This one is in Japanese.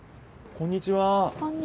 こんにちは。